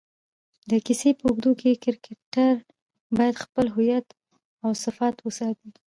د کیسې په اوږدو کښي کرکټرباید خپل هویت اوصفات وساتي.